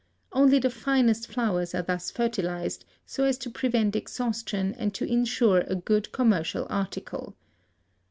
Only the finest flowers are thus fertilized so as to prevent exhaustion and to insure a good commercial article.